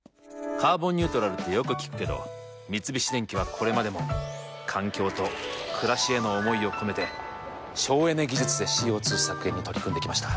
「カーボンニュートラル」ってよく聞くけど三菱電機はこれまでも環境と暮らしへの思いを込めて省エネ技術でＣＯ２削減に取り組んできました。